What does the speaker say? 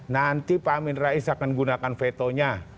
nanti pak amin rais akan gunakan vetonya